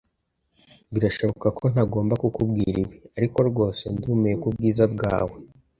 Birashoboka ko ntagomba kukubwira ibi, ariko rwose ndumiwe kubwiza bwawe.